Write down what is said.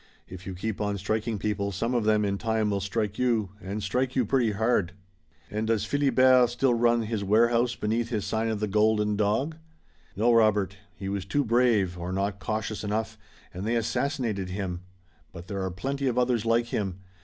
If you keep on striking people some of them in time will strike you and strike you pretty hard." "And does Philibert still run his warehouse beneath his sign of the Golden Dog?" "No, Robert. He was too brave, or not cautious enough, and they assassinated him, but there are plenty of others like him.